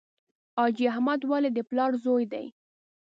حاجي احمد ولي د پلار زوی دی.